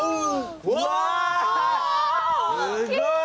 わすごい！